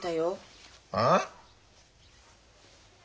ああ！？